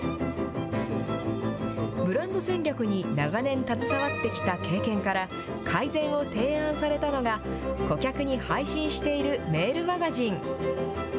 ブランド戦略に長年、携わってきた経験から、改善を提案されたのが、顧客に配信しているメールマガジン。